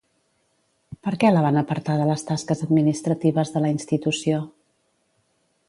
Per què la van apartar de les tasques administratives de la institució?